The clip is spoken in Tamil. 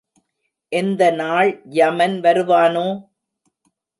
எந்த நாள் யமன் வருவானோ?